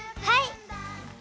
はい。